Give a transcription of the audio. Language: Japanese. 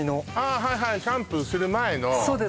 はいはいシャンプーする前のそうです